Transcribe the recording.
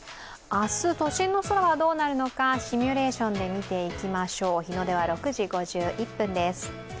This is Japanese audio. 明日、都心の空はどうなるのかシミュレーションで見ていきましょう、日の出は６時５１分です。